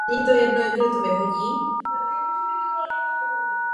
Jednotlivé pevnosti a opěrné body měly své krycí názvy.